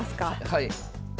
はい。